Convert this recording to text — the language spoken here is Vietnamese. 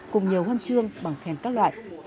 cùng nhiều hân chương bằng khen các loại